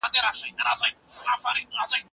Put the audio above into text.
پلار په مخ کي اوس د کور پر دروازې نه راځي